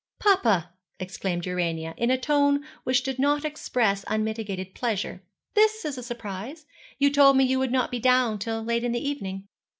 'Papa,' exclaimed Urania, in a tone which did not express unmitigated pleasure, 'this is a surprise. You told me you would not be down till late in the evening.'